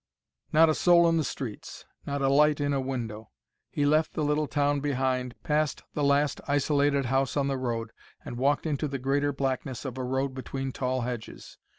Not a soul in the streets; not a light in a window. He left the little town behind, passed the last isolated house on the road, and walked into the greater blackness of a road between tall hedges.